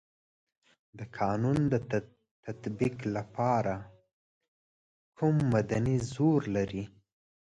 د قانون د تطبیق لپاره کوم مدني زور لري.